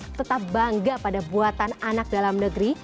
kita harus tetap bangga pada buatan anak dalam negeri